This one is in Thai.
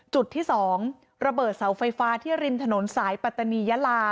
จุดที่๒ระเบิดเสาไฟฟ้าที่ริมถนนสายปัตตานียาลา